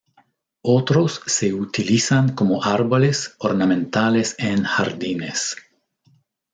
Otros se utilizan como árboles ornamentales en jardines.